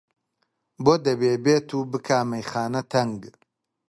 بۆ دەبێ بێت و بکا مەیخانە تەنگ؟!